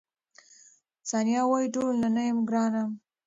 ثانیه وايي، ټولو ته نه یم ګرانه.